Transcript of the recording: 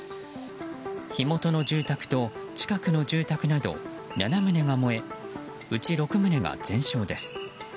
火元の住宅と近くの住宅など７棟が燃えうち６棟が全焼です。